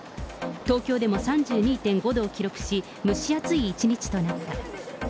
東京でも３２．５度を記録し、蒸し暑い一日となった。